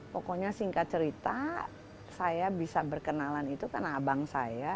pokoknya singkat cerita saya bisa berkenalan itu karena abang saya